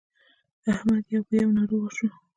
احمد يو په يو ناروغ شو.